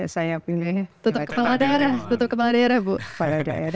saya pilih tutup kepala darah